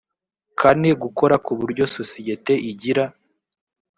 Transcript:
kane gukora ku buryo sosiyete igira